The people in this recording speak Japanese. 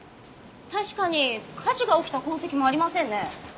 確かに火事が起きた痕跡もありませんね。